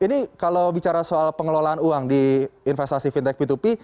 ini kalau bicara soal pengelolaan uang di investasi fintech p dua p